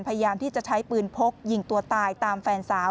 พยายามที่จะใช้ปืนพกยิงตัวตายตามแฟนสาว